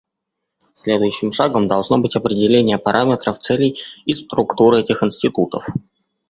Следующим шагом должно быть определение параметров, целей и структур этих институтов.